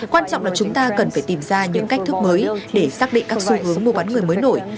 quan trọng là chúng ta cần phải tìm ra những cách thức mới để xác định các xu hướng mua bán người mới nổi